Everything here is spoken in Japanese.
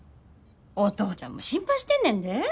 お父ちゃんも心配してんねんで。